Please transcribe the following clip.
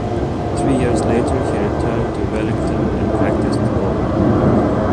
Three years later he returned to Wellington and practised law.